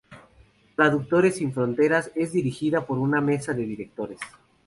Traductores Sin Fronteras es dirigida por una mesa de directores.